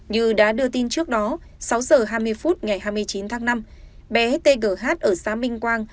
như đã đưa tin trước đó sáu h hai mươi phút ngày hai mươi chín tháng năm bé tgh ở xã minh quang